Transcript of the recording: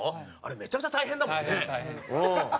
めちゃくちゃ大変だもんねうん。